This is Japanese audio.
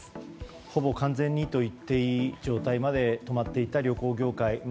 ほぼ完全にまでと言っていいほど止まっていた旅行業界。